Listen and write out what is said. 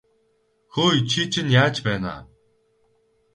Хөөе чи чинь яаж байна аа?